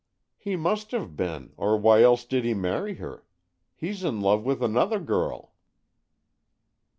"He must have been, or else why did he marry her? He's in love with another girl."